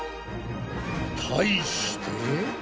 対して。